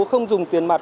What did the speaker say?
không dùng tiền mặt